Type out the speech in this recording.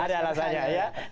ada alasannya ya